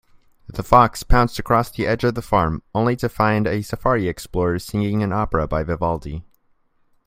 The fox pounced across the edge of the farm, only to find a safari explorer singing an opera by Vivaldi.